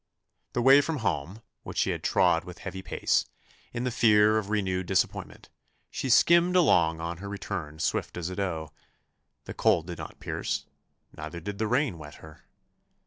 The way from home, which she had trod with heavy pace, in the fear of renewed disappointment, she skimmed along on her return swift as a doe: the cold did not pierce, neither did the rain wet her.